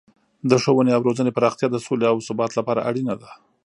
د ښوونې او روزنې پراختیا د سولې او ثبات لپاره اړینه ده.